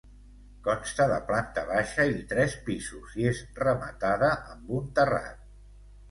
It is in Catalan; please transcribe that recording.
Consta de planta baixa i tres pisos i és rematada amb un terrat.